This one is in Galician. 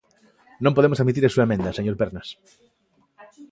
Non podemos admitir a súa emenda, señor Pernas.